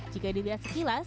jika dilihat sekilas